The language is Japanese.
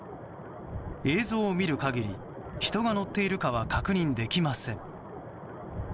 映像を見る限り人が乗っているかは確認できません。